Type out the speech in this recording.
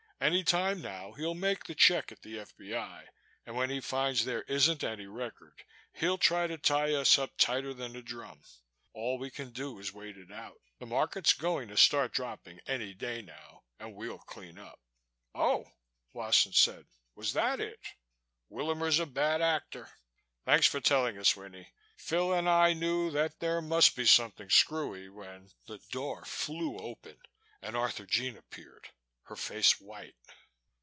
Any time now he'll make the check at the F.B.I. and when he finds there isn't any record he'll try to tie us up tighter than a drum. All we can do is wait it out. The market's going to start dropping any day now and we'll clean up." "Oh!" Wasson said. "Was that it? Willamer's a bad actor. Thanks for telling us, Winnie. Phil and I knew that there must be something screwy when " The door flew open and Arthurjean appeared, her face white.